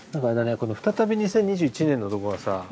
この「再び２０２１年」のとこがさ